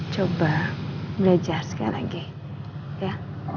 coba belajar sekarang gai